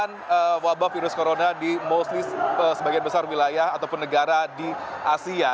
penyebaran wabah virus corona di mostly sebagian besar wilayah ataupun negara di asia